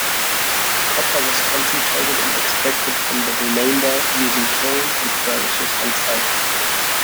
Copper was concentrated and extracted from the remainder using kilns and furnaces on site.